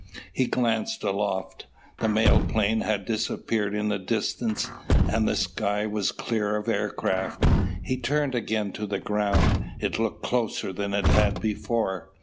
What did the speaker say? He glanced aloft. The mail plane had disappeared in the distance and the sky was clear of aircraft. He turned again to the ground. It looked closer than it had before.